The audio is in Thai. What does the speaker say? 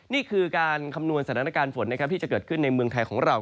นี่คือการคำนวณสถานการณ์ฝนที่จะเกิดขึ้นในเมืองไทยของเรา